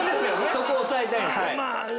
そこを押さえたいんですよ。